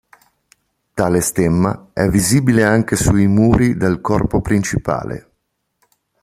Tale stemma è visibile anche sui muri del corpo principale.